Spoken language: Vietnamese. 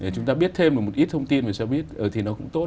chúng ta biết thêm một ít thông tin về xe buýt thì nó cũng tốt